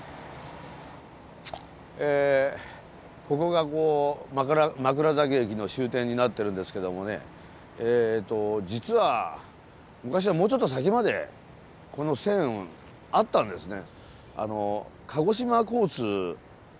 ここが枕崎駅の終点になってるんですけどもね実は昔はもうちょっと先までこの線あったんですね。